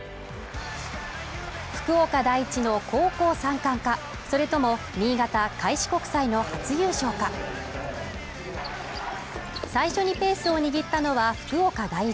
福岡第一の高校３冠か、それとも新潟・開志国際の初優勝か最初にペースを握ったのは福岡第一。